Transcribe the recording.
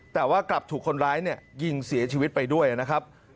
แต่ว่ากลับถูกคนร้ายยิงเสียชีวิตไปด้วยนะครับ